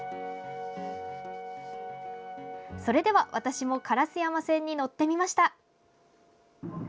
それでは私も烏山線に乗ってみました。